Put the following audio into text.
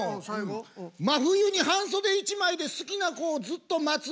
真冬に半袖一枚で好きな子をずっと待つ。